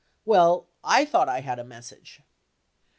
Well, I thought I had a message